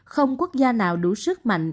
không quốc gia nào đủ sức mạnh